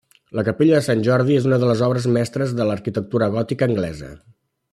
La capella de Sant Jordi és una de les obres mestres de l'arquitectura gòtica anglesa.